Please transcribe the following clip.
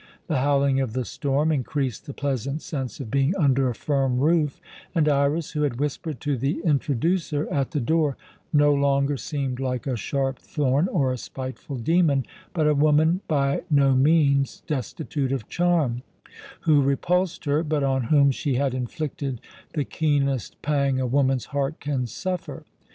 The howling of the storm increased the pleasant sense of being under a firm roof, and Iras, who had whispered to the "introducer" at the door, no longer seemed like a sharp thorn or a spiteful demon, but a woman by no means destitute of charm, who repulsed her, but on whom she had inflicted the keenest pang a woman's heart can suffer.